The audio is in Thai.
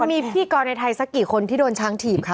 มีพิธีกรในไทยสักกี่คนที่โดนช้างถีบคะ